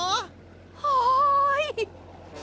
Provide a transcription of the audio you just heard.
・はい！